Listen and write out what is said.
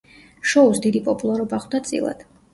შოუს დიდი პოპულარობა ხვდა წილად.